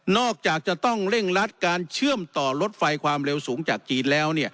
จากจะต้องเร่งรัดการเชื่อมต่อรถไฟความเร็วสูงจากจีนแล้ว